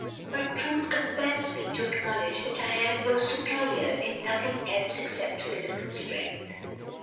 But truth compels me to acknowledge that I am your superior in nothing else except physical strength."